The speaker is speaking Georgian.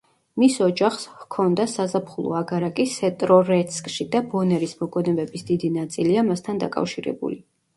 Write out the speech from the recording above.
მის ოჯახს ჰქონდა საზაფხულო აგარაკი სესტრორეცკში და ბონერის მოგონებების დიდი ნაწილია მასთან დაკავშირებული.